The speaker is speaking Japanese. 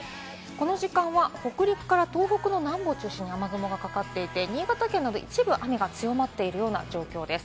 この時間は、北陸から東北の南部を中心に雨雲がかかっていて、新潟県の一部、雨が強まっている状況です。